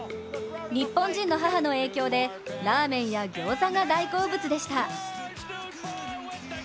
日本人の母の影響でラーメンやギョーザが大好物でした。